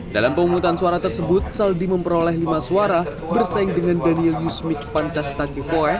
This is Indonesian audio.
dalam pengungutan suara tersebut saldi memperoleh lima suara bersaing dengan daniel yusmik pancas takifoe